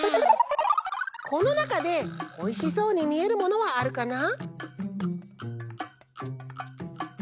このなかでおいしそうにみえるものはあるかな？